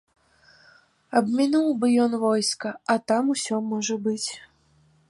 Абмінуў бы ён войска, а там усё можа быць.